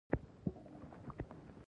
ګاونډي ته د احترام نظر وکړه